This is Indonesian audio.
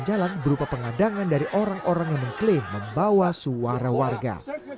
dan jalan berupa pengadangan dari orang orang yang mengklaim membawa suara warga